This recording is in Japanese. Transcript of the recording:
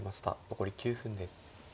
残り９分です。